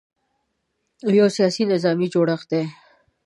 یو سیاسي – نظامي جوړښت دی.